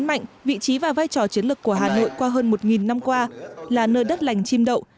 mạnh vị trí và vai trò chiến lược của hà nội qua hơn một năm qua là nơi đất lành chim đậu